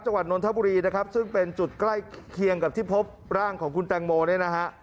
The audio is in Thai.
นนทบุรีนะครับซึ่งเป็นจุดใกล้เคียงกับที่พบร่างของคุณแตงโมเนี่ยนะฮะ